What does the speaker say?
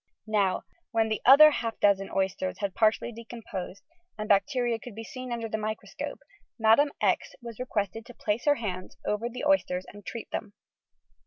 Now, when the other half dozen oysters had partially decom posed and bacteria could be seen under the microscope, Madam X. was requested to place her hands over the oysters and treat them.